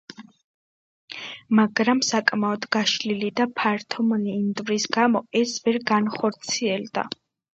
მაგრამ საკმაოდ გაშლილი და ფართო მინდვრის გამო, ეს ვერ განახორციელა.